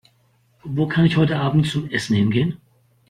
Wo kann ich heute Abend zum Essen hingehen?